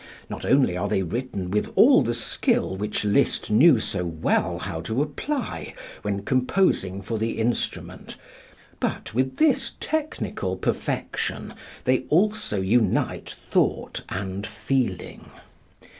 Not only are they written with all the skill which Liszt knew so well how to apply when composing for the instrument, but with this technical perfection they also unite thought and feeling.